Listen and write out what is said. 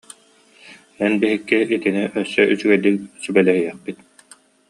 Эн биһикки итини өссө үчүгэйдик сүбэлэһиэхпит